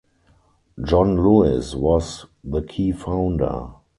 John Lewis was the key founder.